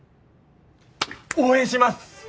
応援します。